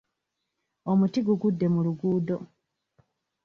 Omuti gugudde mu luguudo.